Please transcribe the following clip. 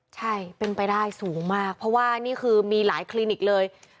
ใช่เป็นไปได้สูงมากเพราะว่านี่คือมีหลายคลินิกเลย